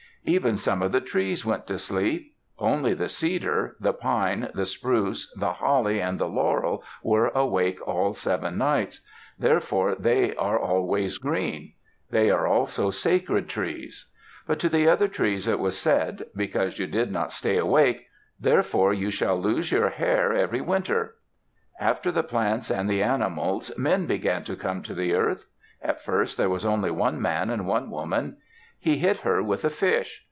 Even some of the trees went to sleep. Only the cedar, the pine, the spruce, the holly, and the laurel were awake all seven nights. Therefore they are always green. They are also sacred trees. But to the other trees it was said, "Because you did not stay awake, therefore you shall lose your hair every winter." After the plants and the animals, men began to come to the earth. At first there was only one man and one woman. He hit her with a fish.